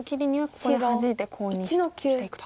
ここにハジいてコウにしていくと。